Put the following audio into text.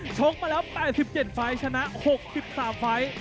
ชกมาแล้ว๘๗ไฟล์ชนะ๖๓ไฟล์